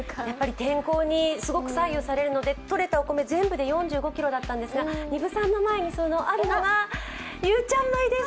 天候にすごく左右されるのでとれたお米全部で４５ｋｇだったんですが丹生さんの前にあるのがゆうちゃん米です。